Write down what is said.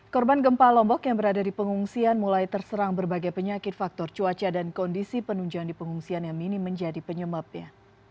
korban gempa lombok yang berada di pengungsian mulai terserang berbagai penyakit faktor cuaca dan kondisi penunjang di pengungsian yang minim menjadi penyebabnya